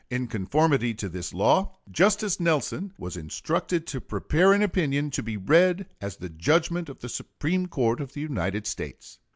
In conformity to this view, Justice Nelson was instructed to prepare an opinion to be read as the judgment of the Supreme Court of the United States.